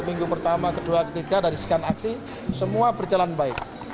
minggu pertama kedua ketiga dari sekian aksi semua berjalan baik